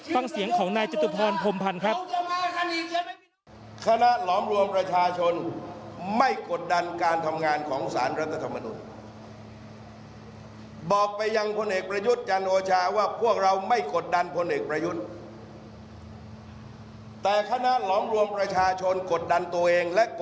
ฟังเสียงของนายจัดดุพรพรพรรณครับ